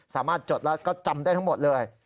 จดแล้วก็จำได้ทั้งหมดเลย